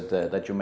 tapi tentu saja